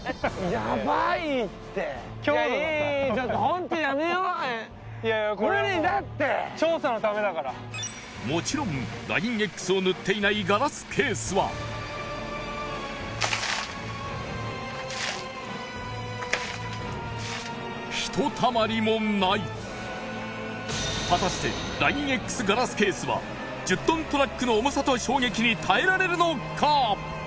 ヤバいって強度がさいやいいいいいい調査のためだからもちろんＬＩＮＥ−Ｘを塗っていないガラスケースはひとたまりもない果たしてＬＩＮＥ−Ｘガラスケースは１０トントラックの重さと衝撃に耐えられるのか？